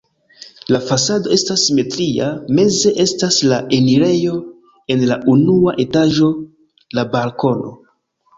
La fasado estas simetria, meze estas la enirejo, en la unua etaĝo la balkono.